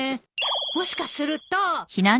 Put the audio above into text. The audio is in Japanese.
もしかすると。